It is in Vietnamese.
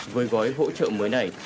với gói hỗ trợ mới này